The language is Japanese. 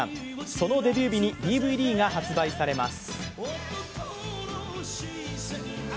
そのデビュー日にＤＶＤが発売されます。